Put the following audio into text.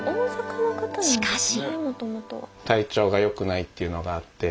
しかし。